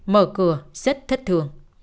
mở cửa rất thất thường